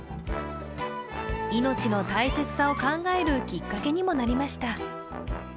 命の大切さを考えるきっかけにもなりました。